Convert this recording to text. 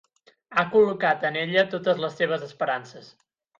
Ha col·locat en ella totes les seves esperances.